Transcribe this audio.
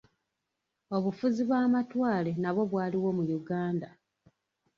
Obufuzi bw'amatwale nabwo bwaliwo mu Uganda.